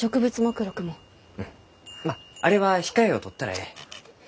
まああれは控えをとったらえい。